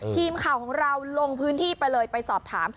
ทีมข่าวของเราลงพื้นที่ไปเลยไปสอบถาม